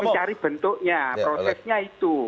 mencari bentuknya prosesnya itu